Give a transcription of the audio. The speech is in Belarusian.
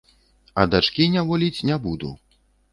А дачкі няволіць не буду.